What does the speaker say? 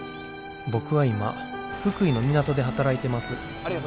僕は今福井の港で働いてます。